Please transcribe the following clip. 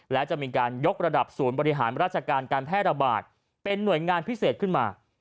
และจะมีการยกระดับศูนย์บริหารราชการการแพร่ระบาดเป็นหน่วยงานพิเศษขึ้นมา